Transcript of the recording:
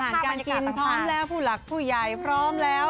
การกินพร้อมแล้วผู้หลักผู้ใหญ่พร้อมแล้ว